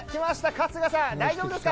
春日さん、大丈夫ですか？